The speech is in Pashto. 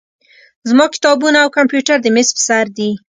زما کتابونه او کمپیوټر د میز په سر دي.